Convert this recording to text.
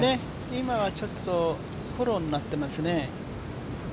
今はちょっと、フォローになってますね。